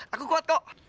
aku kuat kok